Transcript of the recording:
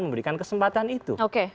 memberikan kesempatan itu